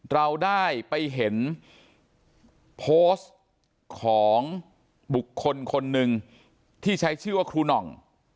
เราได้ไปเห็นโพสต์ของบุคคลคนหนึ่งที่ใช้ชื่อว่าครูหน่อง